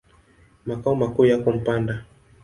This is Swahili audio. Makao makuu yako Mpanda.